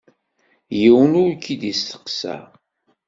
Yiwen ur k-id-isteqsa.